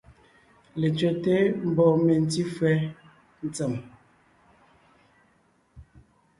Letsẅɛ́te mbɔɔ mentí fÿɛ́ ntsèm.